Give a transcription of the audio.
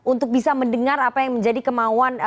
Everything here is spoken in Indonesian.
untuk bisa mendengar apa yang menjadi kemauan